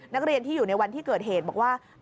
นักเรียนที่อยู่ในวันที่เกิดเหตุบอกว่า